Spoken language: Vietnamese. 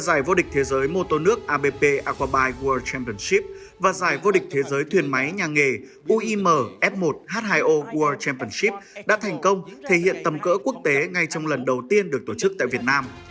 giải vô địch thế giới mô tô nước abp aquabyte world championship và giải vô địch thế giới thuyền máy nhà nghề uim f một h hai o world championship đã thành công thể hiện tầm cỡ quốc tế ngay trong lần đầu tiên được tổ chức tại việt nam